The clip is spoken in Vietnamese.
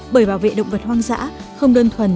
bởi bảo vệ động vật hoang dã không đơn thuần